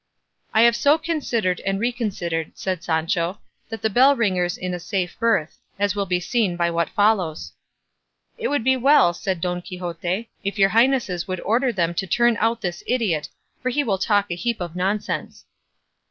"I have so considered and reconsidered," said Sancho, "that the bell ringer's in a safe berth; as will be seen by what follows." "It would be well," said Don Quixote, "if your highnesses would order them to turn out this idiot, for he will talk a heap of nonsense."